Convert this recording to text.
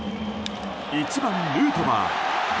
１番、ヌートバー。